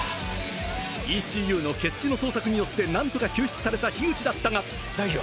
ＥＣＵの決死の捜索によって何とか救出された口だったが大樹は？